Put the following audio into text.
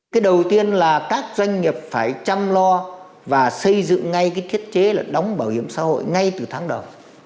cái đầu tiên là các doanh nghiệp phải chăm lo và xây dựng ngay cái thiết chế đóng bảo hiểm xã hội ngay từ tháng đầu